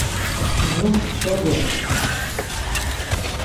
Nosi so giğun sin?